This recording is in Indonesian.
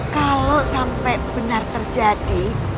kalau sampai benar terjadi